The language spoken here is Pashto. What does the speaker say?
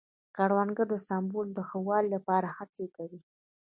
کروندګر د سبو د ښه والي لپاره هڅې کوي